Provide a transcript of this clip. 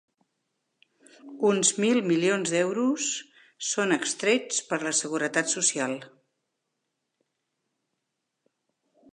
Uns mil milions d'euros són extrets per la Seguretat Social.